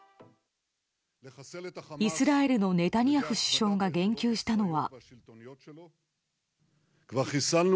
イスラエルのネタニヤフ首相が言及したのは。